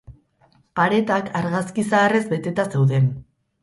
Paretak argazki zaharrez beteta zeuden.